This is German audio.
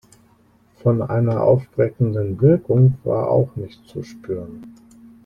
Von einer aufweckenden Wirkung war auch nichts zu spüren.